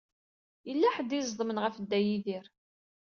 Yella ḥedd i iẓeḍmen ɣef Dda Yidir.